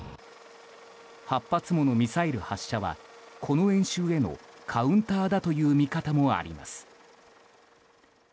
８発ものミサイル発射はこの演習へのカウンターだという見方もあります。